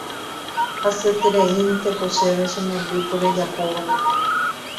Hasyetereínteko chéve che memby ko rejapóva